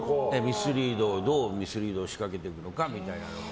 どうミスリードを仕掛けていくのかみたいな。